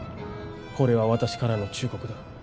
これは私からの忠告だ。